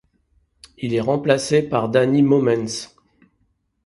Il est remplacé par Danny Mommens.